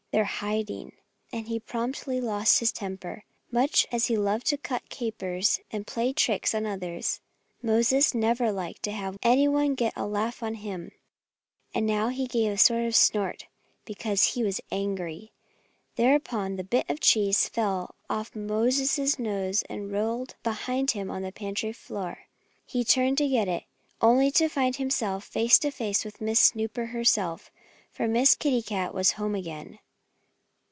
They're hiding." And he promptly lost his temper. Much as he loved to cut capers and play tricks on others, Moses never liked to have any one get a laugh on him. And now he gave a sort of snort, because he was angry. Thereupon the bit of cheese fell off Moses's nose and rolled behind him on the pantry floor. He turned to get it, only to find himself face to face with Miss Snooper herself; for Miss Kitty Cat was home again.